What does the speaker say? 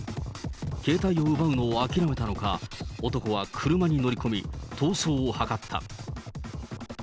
携帯を奪うのを諦めたのか、男は車に乗り込み、逃走を図った。